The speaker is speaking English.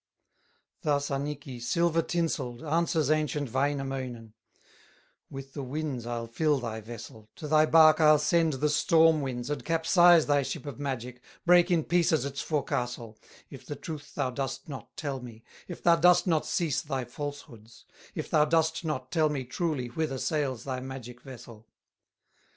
Thus Annikki, silver tinselled, Answers ancient Wainamoinen: "With the winds I'll fill thy vessel, To thy bark I'll send the storm winds And capsize thy ship of magic, Break in pieces its forecastle, If the truth thou dost not tell me, If thou dost not cease thy falsehoods, If thou dost not tell me truly Whither sails thy magic vessel."